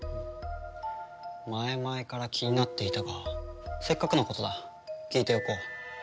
前々から気になっていたがせっかくのことだ聞いておこう。